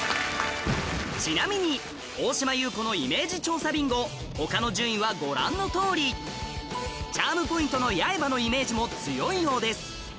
ちなみに大島優子のイメージ調査ビンゴ他の順位はご覧のとおりチャームポイントの八重歯のイメージも強いようです